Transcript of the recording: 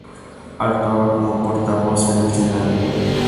Actuaba como portavoz en el senado.